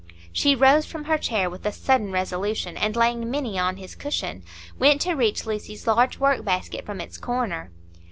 She rose from her chair with a sudden resolution, and laying Minny on his cushion, went to reach Lucy's large work basket from its corner.